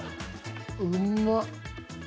うまっ。